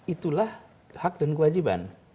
itulah hak dan kewajiban